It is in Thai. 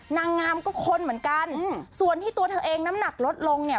นางงามก็คนเหมือนกันส่วนที่ตัวเธอเองน้ำหนักลดลงเนี่ย